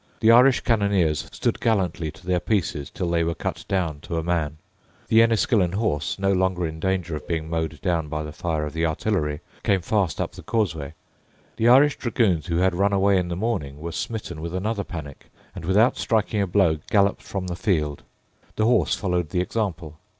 The Irish cannoneers stood gallantly to their pieces till they were cut down to a man. The Enniskillen horse, no longer in danger of being mowed down by the fire of the artillery, came fast up the causeway. The Irish dragoons who had run away in the morning were smitten with another panic, and, without striking a blow, galloped from the field. The horse followed the example.